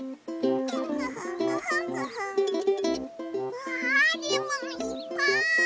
うわレモンいっぱい！